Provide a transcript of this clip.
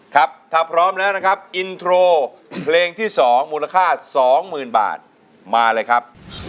ครับถ้าพร้อมแล้วนะครับอินโทรเพลงที่๒มูลค่า๒๐๐๐บาทมาเลยครับ